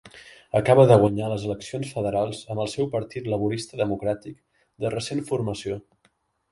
Acaba de guanyar les eleccions federals amb el seu partit Laborista democràtic de recent formació.